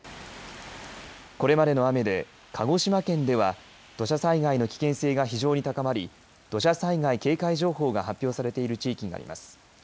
これまでの雨で鹿児島県では土砂災害の危険性が非常に高まり土砂災害警戒情報が発表されている地域があります。